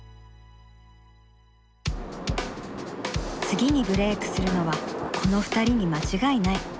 次にブレ−クするのはこの２人に間違いない。